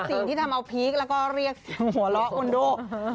สิ่งที่ทำเอาพีคแล้วก็เรียกเสียงหัวเราะคุณดู